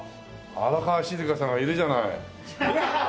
荒川静香さんがいるじゃない。